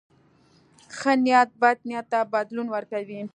ښه نیت بد نیت ته بدلون ورکوي.